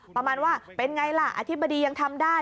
ประมาณว่าเป็นไงล่ะอธิบดียังทำได้